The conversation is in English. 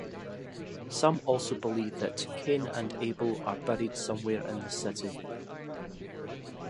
Some also believe that Cain and Abel are buried somewhere in the city.